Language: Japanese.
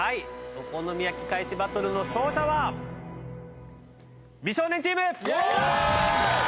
お好み焼き返しバトルの勝者は美少年チーム！